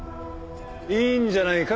いいんじゃないか？